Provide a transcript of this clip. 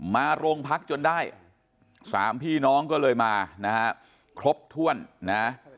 มาโรงพักจนได้สามพี่น้องก็เลยมานะฮะครบถ้วนนะ